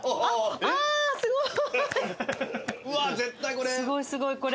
あすごい！